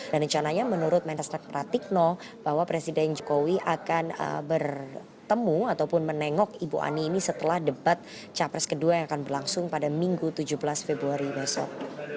dan rencananya menurut mensesnek pratikno bahwa presiden jokowi akan bertemu ataupun menengok ibu ani ini setelah debat capres kedua yang akan berlangsung pada minggu tujuh belas februari besok